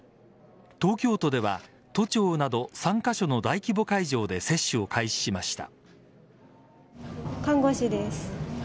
東京都では都庁など３カ所の大規模会場で接種を開始しました。